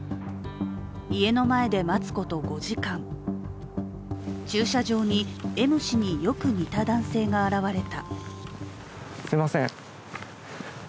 家の前で待つこと５時間、駐車場にＭ氏によく似た男性が現れた。